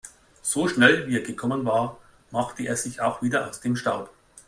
So schnell, wie er gekommen war, machte er sich auch wieder aus dem Staub.